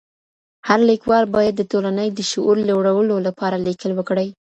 هر ليکوال بايد د ټولني د شعور لوړولو لپاره ليکل وکړي.